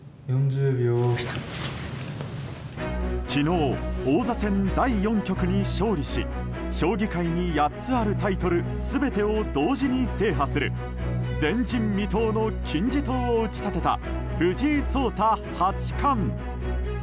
昨日、王座戦第４局に勝利し将棋界に８つあるタイトル全てを同時に制覇する前人未到の金字塔を打ち立てた藤井聡太八冠。